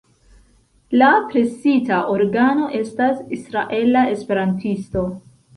La presita organo estas "Israela Esperantisto".